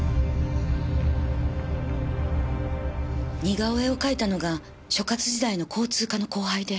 似顔絵を描いたのが所轄時代の交通課の後輩で。